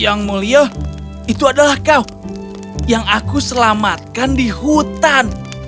yang mulia itu adalah kau yang aku selamatkan di hutan